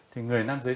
thì người nam giới